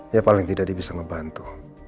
ya paling tidak dia bisa membantu